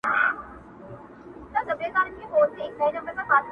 په جنګ وتلی د ټولي مځکي؛